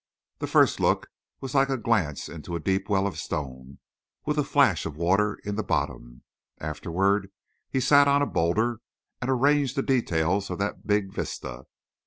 The first look was like a glance into a deep well of stone with a flash of water in the bottom; afterward he sat on a boulder and arranged the details of that big vista.